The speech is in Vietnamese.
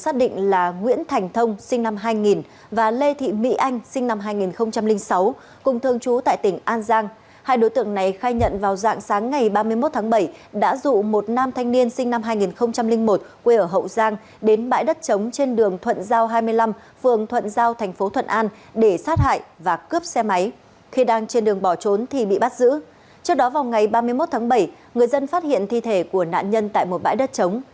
trước đó vào ngày ba mươi một tháng bảy người dân phát hiện thi thể của nạn nhân tại một bãi đất trống